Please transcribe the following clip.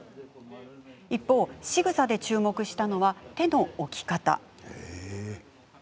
一方、しぐさで注目したのは手の置き方。